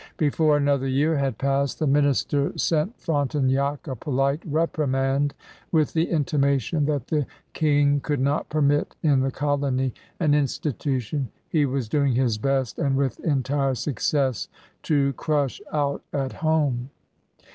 Before another year had passed, the minister sent Frontenac a polite reprimand with the intimation that the King could not permit in the colony an institution he was doing his best, and with entire success, to crush out at home.